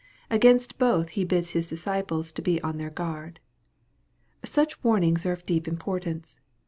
Against both He bids His disciples be on their guard. Such warnings are of deep importance.